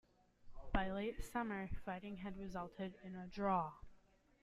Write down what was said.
By late summer, fighting had resulted in a draw.